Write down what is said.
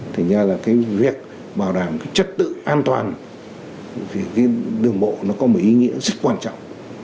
thì nha là cái việc bảo đảm trật tự an toàn thì cái đường bộ nó có một ý nghĩa rất quan trọng